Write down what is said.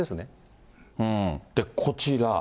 こちら。